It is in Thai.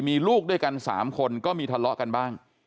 มีลูกด้วยกัน๓คนก็มีทะเลาะกันบ้าง